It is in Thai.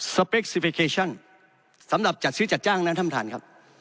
สพชสำหรับจัดซื้อจัดจ้างนะท่านประทานครับ